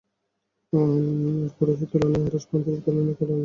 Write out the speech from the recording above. আর কুরসীর তুলনায় আরশ প্রান্তরের তুলনায় কড়ার মত।